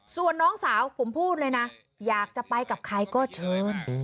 ส่วนน้องสาวผมพูดเลยนะอยากจะไปกับใครก็เชิญ